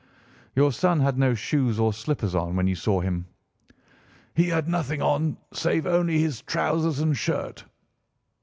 "Your son had no shoes or slippers on when you saw him?" "He had nothing on save only his trousers and shirt."